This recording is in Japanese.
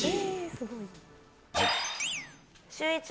シューイチ。